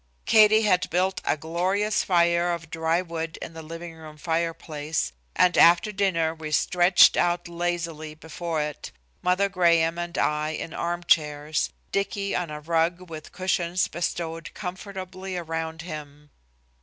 Katie had built a glorious fire of dry wood in the living room fireplace, and after dinner we stretched out lazily before it, Mother Graham and I in arm chairs, Dicky on a rug with cushions bestowed comfortably around him.